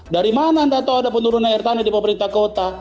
dari mana anda tahu ada penurunan air tanah di pemerintah kota